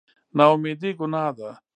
نااميدي ګناه ده